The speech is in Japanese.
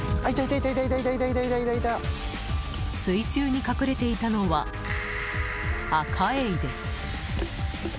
水中に隠れていたのはアカエイです。